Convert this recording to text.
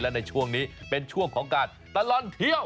และในช่วงนี้เป็นช่วงของการตลอดเที่ยว